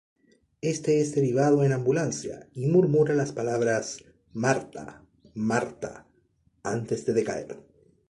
Éste es derivado en ambulancia, y murmura las palabras ""Martha... Martha..."" antes de decaer.